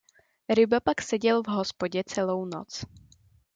Ryba pak seděl v hospodě celou noc.